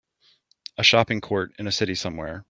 A shopping court in a city somewhere.